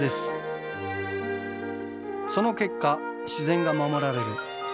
その結果自然が守られる。